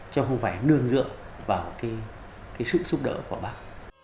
chứ không phải nương dựa vào cái sự giúp đỡ của bác